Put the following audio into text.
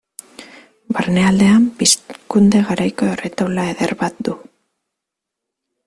Barnealdean Pizkunde garaiko erretaula eder bat du.